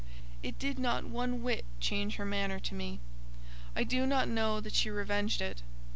It did not one whit change her manner to me. I do not know that she revenged it.